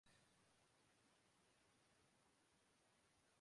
بس جالب تھے